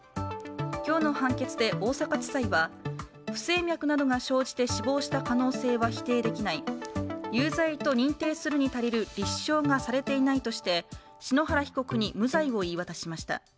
今日の判決で大阪地裁は不整脈などが生じて死亡した可能性は否定できない、有罪と認定するに足りる立証がされていないとして篠原被告に無罪を言い渡しました。